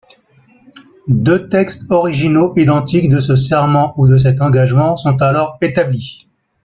Deux textes originaux identiques de ce serment ou de cet engagement sont alors établis.